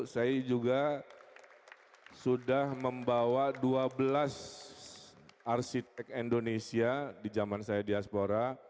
saya juga sudah membawa dua belas arsitek indonesia di zaman saya diaspora